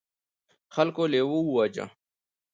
خلکو لیوه وواژه.